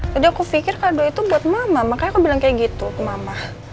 tadi aku pikir kado itu buat mama makanya aku bilang kayak gitu ke mama